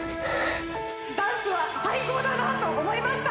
ダンスは最高だなと思いました